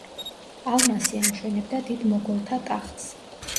ალმასი ამშვენებდა დიდ მოგოლთა ტახტს.